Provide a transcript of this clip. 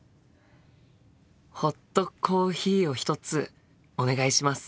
ホットコーヒーを１つお願いします。